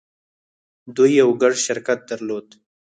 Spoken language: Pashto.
دوی يو ګډ شرکت درلود.